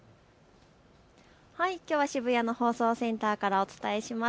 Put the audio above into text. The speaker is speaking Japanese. きょうは渋谷の放送センターからお伝えします。